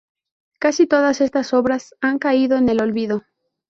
Casi todas estas obras han caído en el olvido.